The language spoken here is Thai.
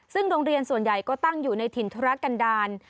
ซึ่งโรงเรียนส่วนใหญ่ก็ตั้งอยู่ในถิ่นธุรกันดาล